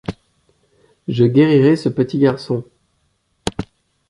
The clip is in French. Je guérirai ce petit garçon.